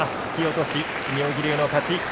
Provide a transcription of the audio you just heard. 突き落とし、妙義龍の勝ち。